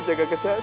terima kasih bunda